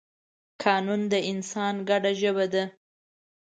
قانون د انسان ګډه ژبه ده.